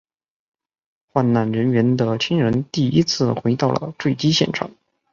罹难人员的亲人第一次回到了坠机现场。